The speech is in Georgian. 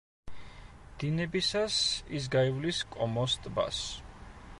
დინებისას ის გაივლის კომოს ტბას.